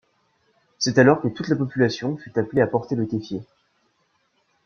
C'est alors que toute la population fut appelée à porter le keffieh.